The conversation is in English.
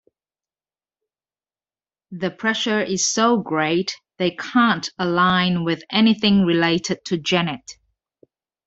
The pressure is so great, they can't align with anything related to Janet.